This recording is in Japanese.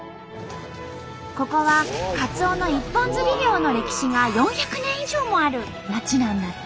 ここはカツオの一本釣り漁の歴史が４００年以上もある町なんだって！